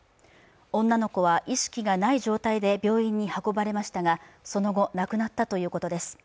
女の子は意識がない状態で病院に運ばれましたがその後、亡くなったということです。